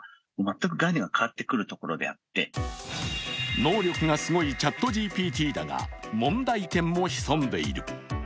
能力がすごいＣｈａｔＧＰＴだが、問題点も潜んでいる。